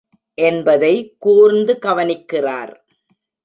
என்பதை கூர்ந்து கவனிக்கிறார்.